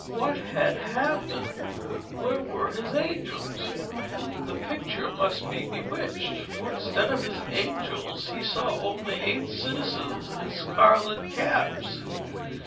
What had happened? Where were his angels? The picture must be bewitched, for instead of his angels he saw only eight citizens in scarlet caps.